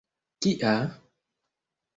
Kia...